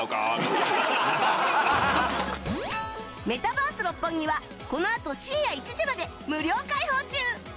メタバース六本木はこのあと深夜１時まで無料開放中！